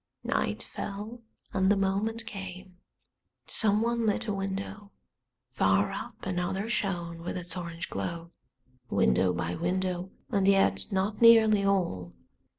Night fell, and the moment came. Someone lit a window, far up another shone with its orange glow. Window by window, and yet not nearly all.